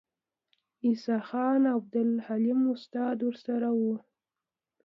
عیسی خان او عبدالحلیم استاد ورسره وو.